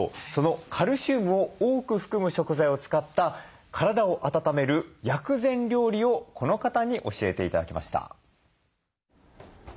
カルシウムを多く含む食材を使った体を温める薬膳料理をこの方に教えて頂きました。